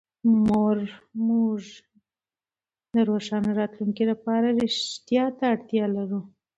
موږ د روښانه راتلونکي لپاره رښتيا ته اړتيا لرو.